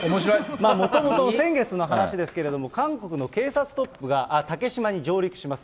もともと先月の話ですけれども、韓国の警察トップが竹島に上陸します。